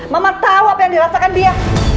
mama tahu apa yang dirasakan dia